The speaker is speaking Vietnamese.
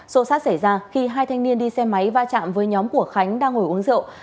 xô sát xảy ra khi hai thanh niên đi xe máy va chạm với nhóm của khánh đang ngồi uống rượu